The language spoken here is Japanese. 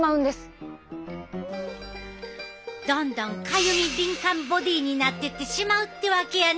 どんどんかゆみ敏感ボディーになっていってしまうってわけやね。